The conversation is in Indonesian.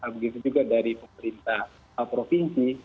begitu juga dari pemerintah provinsi